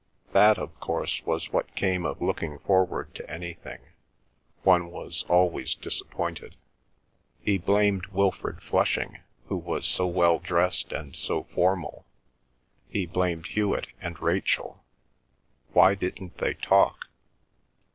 That, of course, was what came of looking forward to anything; one was always disappointed. He blamed Wilfrid Flushing, who was so well dressed and so formal; he blamed Hewet and Rachel. Why didn't they talk?